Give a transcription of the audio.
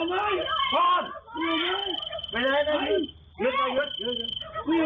ไม่เอาไหม